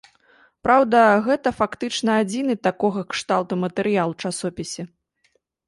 Праўда, гэта фактычна адзіны такога кшталту матэрыял у часопісе.